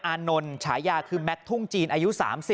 อย่างน้อยชะยาคือแมคทุ่งจีนอายุ๓๐